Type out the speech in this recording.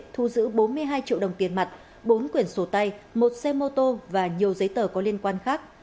thu giữ bốn mươi hai triệu đồng tiền mặt bốn quyển sổ tay một xe mô tô và nhiều giấy tờ có liên quan khác